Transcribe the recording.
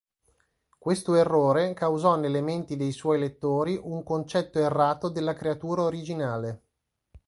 Questo errore causò nelle menti dei suoi lettori un concetto errato della creatura originale.